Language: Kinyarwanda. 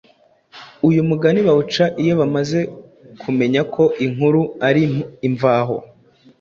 Uyu mugani bawuca iyo bamaze kumenya ko inkuru ari imvaho;